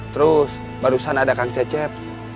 terus barusan ada kang cecep